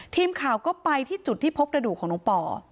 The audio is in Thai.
ทีมข่าวก็ไปที่จุดที่พบกระดูกของน้องปอ